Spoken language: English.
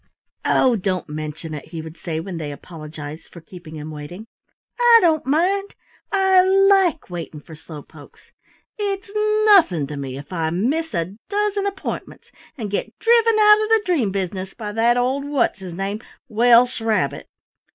"Oh, don't mention it," he would say when they apologized for keeping him waiting. "I don't mind. I like waiting for slow pokes! It's nothing to me if I miss a dozen appointments and get driven out of the dream business by that old what's his name Welsh Rabbit!"